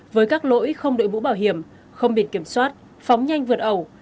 với các lỗi không đội mũ bảo hiểm không biển kiểm soát phóng nhanh vượt ẩu